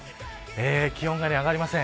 気温が上がりません。